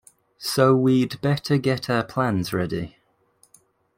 So we'd better get our plans ready.